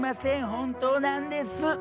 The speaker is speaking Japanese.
本当なんです。